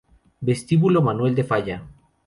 Vestíbulo Manuel de Falla